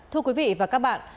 thưa quý vị và các bạn